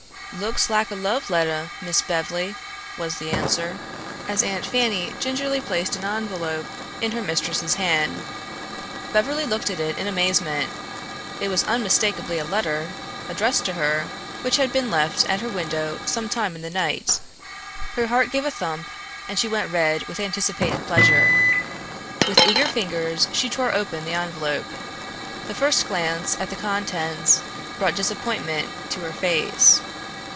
"Looks lak a love letteh. Miss Bev'ly," was the answer, as Aunt Fanny gingerly placed an envelope in her mistress's hand. Beverly looked at it in amazement. It was unmistakably a letter, addressed to her, which had been left at her window some time in the night. Her heart gave a thump and she went red with anticipated pleasure. With eager fingers she tore open the envelope. The first glance at the contents brought disappointment to her face.